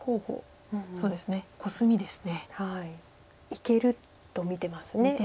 いけると見てますＡＩ。